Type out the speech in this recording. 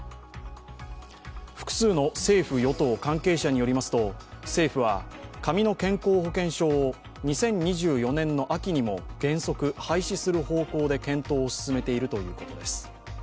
複数の政府・与党関係者によりますと政府は紙の健康保険証を２０２４年の秋にも原則廃止する方向で検討を進めているということです。